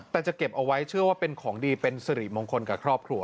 แต่จะเก็บเอาไว้เชื่อว่าเป็นของดีเป็นสิริมงคลกับครอบครัว